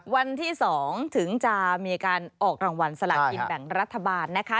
วันที่๒ถึงจะมีการออกรางวัลสละกินแบ่งรัฐบาลนะคะ